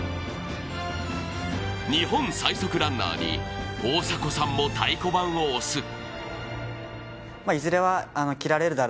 日本最速ランナーに大迫さんも太鼓判を押す。